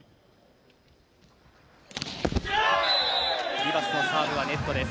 リバスのサーブはネットです。